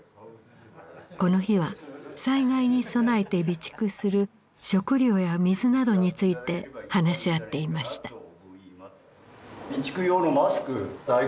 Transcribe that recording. この日は災害に備えて備蓄する食料や水などについて話し合っていました。